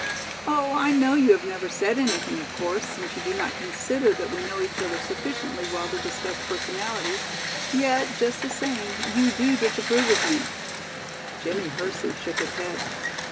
Oh, I know you have never said anything of course, since you do not consider that we know each other sufficiently well to discuss personalities, yet just the same you do disapprove of me." Jimmie Hersey shook his head.